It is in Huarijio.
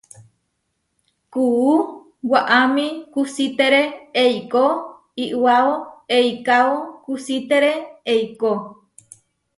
Kuú waʼámi kusítere eikó iʼwáo eikáo kusítere eikó.